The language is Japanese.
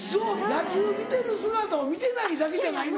野球見てる姿を見てないだけじゃないの？